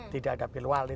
tidak ada pil wali